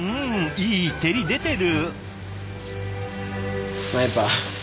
いい照り出てる！